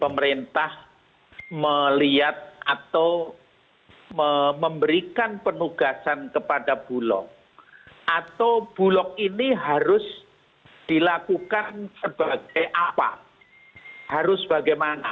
pemerintah melihat atau memberikan penugasan kepada bulog atau bulog ini harus dilakukan sebagai apa harus bagaimana